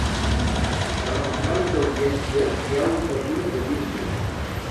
Per al tràmit d'audiència hi ha un termini de vint dies.